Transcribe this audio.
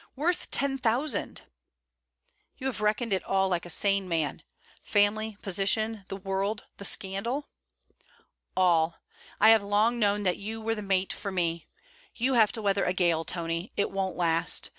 worth ten thousand!' 'You have reckoned it all like a sane man: family, position, the world, the scandal?' 'All. I have long known that you were the mate for me. You have to weather a gale, Tony. It won't last.